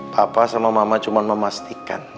papa sama mama cuma memastikan